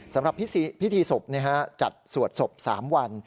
สำหรับพิธีศพจัดสวดศพ๓วัน